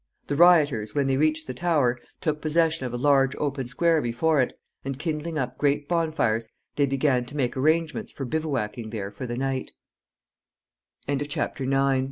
The rioters, when they reached the Tower, took possession of a large open square before it, and, kindling up great bonfires, they began to make arrangements for bivouacking there for the